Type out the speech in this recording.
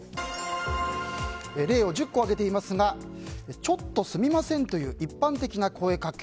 例を１０個挙げていますがちょっとすみませんという一般的な声掛け。